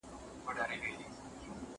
ټولنه باید بې ارزښته نه سي.